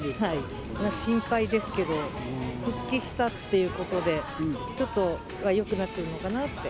心配ですけど、復帰したってことで、ちょっとはよくなっているのかなって。